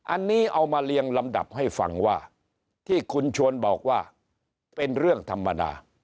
อันนี้เอามาเรียงลำดับให้ฟังว่าที่คุณชวนบอกว่าเป็นเรื่องธรรมดา